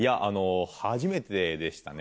初めてでしたね